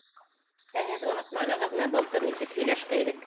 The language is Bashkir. Ә һеҙ онотманығыҙмы, былтыр нисек һөйләшкәйнек?